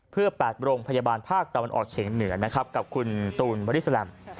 เพื่อแปดโบรงพยาบาลภาคตะวันออกเฉงเหนือนะครับกับคุณตูนบริษลัม